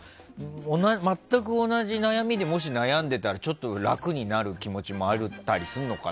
全く同じ悩みでもし悩んでいたらちょっと楽になる気持ちもあったりするのかな。